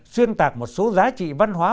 xuyên tạc một số giá trị văn hóa